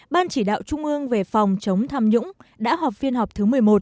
ban chỉ đạo trung ương về phòng chống tham nhũng đã họp phiên họp thứ một mươi một